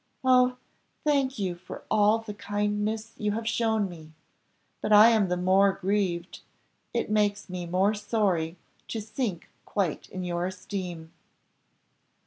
Oh, thank you for all the kindness you have shown me; but I am the more grieved, it makes me more sorry to sink quite in your esteem."